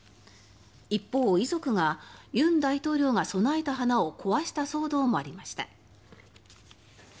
一方、遺族が尹大統領が供えた花を壊した騒動もありました。